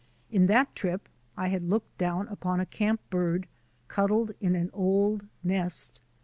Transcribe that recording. In that trip I had looked down upon a camp bird cuddled in an old nest.